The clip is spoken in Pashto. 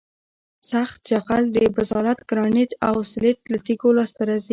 سخت جغل د بزالت ګرانیت او سلیت له تیږو لاسته راځي